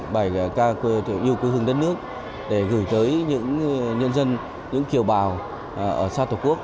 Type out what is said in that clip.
bài ca yêu quê hương đất nước để gửi tới những nhân dân những kiều bào ở xa tổ quốc